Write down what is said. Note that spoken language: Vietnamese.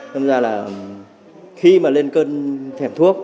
thế nên là khi mà lên cơn thẻm thuốc